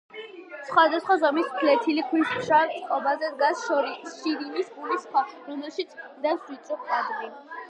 სხვადასხვა ზომის ფლეთილი ქვის მშრალ წყობაზე დგას შირიმის ბუნის ქვა, რომელშიც დევს ვიწრო კვადრი.